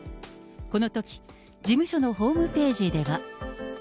このとき、事務所のホームページでは。